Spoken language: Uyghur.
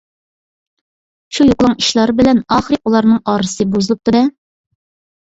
شۇ يوقىلاڭ ئىشلار بىلەن ئاخىرى ئۇلارنىڭ ئارىسى بۇزۇلۇپتۇ-دە.